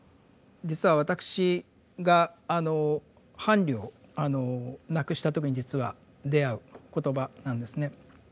実は私が伴侶を亡くした時に実は出会う言葉なんですね。